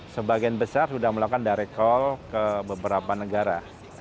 sebagian besar sudah melakukan direct call ke beberapa negara